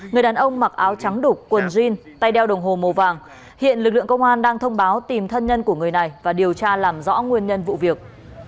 người đàn ông mặc áo trắng đục quần jean tay đeo đồng hồ màu vàng hiện lực lượng công an đang thông báo tìm thân nhân của người này và điều tra làm rõ nguyên nhân vụ việc